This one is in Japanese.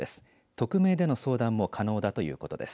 匿名での相談も可能だということです。